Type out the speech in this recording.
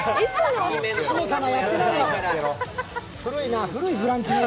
古いな。